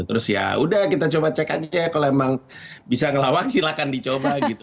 terus ya udah kita coba cek aja kalau emang bisa ngelawat silahkan dicoba gitu